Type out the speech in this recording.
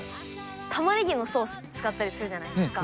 タマネギのソースって使ったりするじゃないですか。